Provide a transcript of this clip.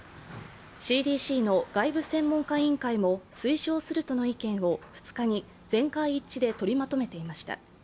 ＣＤＣの外務専門家委員会も推奨するとの意見を２日に全会一致でとりまとめていました。